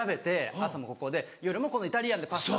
朝もここで夜もこのイタリアンでパスタ。